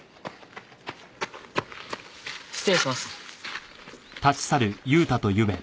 失礼します。